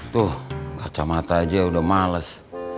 tuh kacamata aja udah males